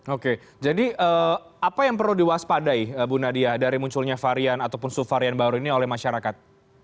oke jadi apa yang perlu diwaspadai bu nadia dari munculnya varian ataupun subvarian baru ini oleh masyarakat